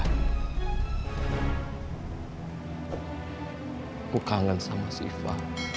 aku kangen sama siva